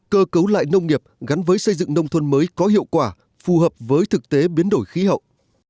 cơ cấu lại nông nghiệp gắn với xây dựng nông thôn mới có hiệu quả phù hợp với thực tế biến đổi khí hậu